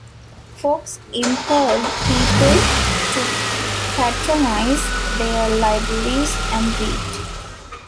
Fox implored people to patronize their libraries and read.